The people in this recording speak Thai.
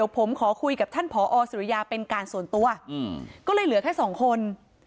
ผมขอคุยกับท่านผอสุริยาเป็นการส่วนตัวก็เลยเหลือแค่สองคน